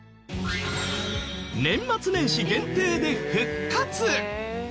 年末年始限定で復活。